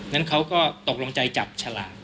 นั้นเขาก็ตกลงใจจับฉลาก